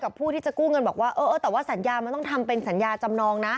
ผู้ที่จะกู้เงินบอกว่าเออแต่ว่าสัญญามันต้องทำเป็นสัญญาจำนองนะ